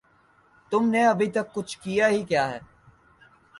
تم نے ابھے تک کچھ کیا ہی کیا ہے